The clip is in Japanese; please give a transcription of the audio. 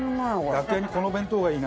楽屋にこの弁当がいいな。